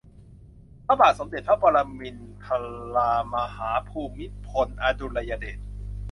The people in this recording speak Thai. พระบาทสมเด็จพระปรมินทรมหาภูมิพลอดุลยเดช